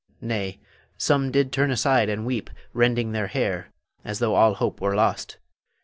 Nay, some did turn aside and weep, rending their hair, as though all hope were lost.